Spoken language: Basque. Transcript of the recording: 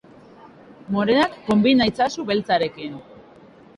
Moreak konbina itzazu beltzarekin.